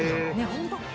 ホント。